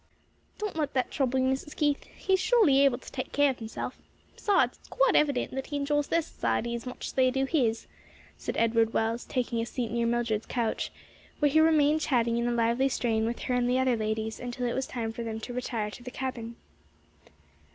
"Don't let that trouble you, Mrs. Keith; he is surely able to take care of himself. Besides it's quite evident that he enjoys their society as much as they do his," said Edward Wells, taking a seat near Mildred's couch, where he remained chatting in a lively strain with her and the other ladies until it was time for them to retire to the cabin.